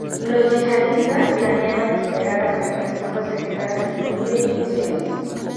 Los yihadistas planeaban esperar hasta que las tropas se quedaran sin comida y municiones.